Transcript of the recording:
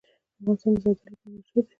افغانستان د زردالو لپاره مشهور دی.